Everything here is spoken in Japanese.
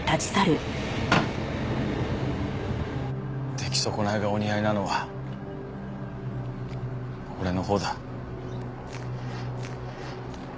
出来損ないがお似合いなのは俺のほうだ。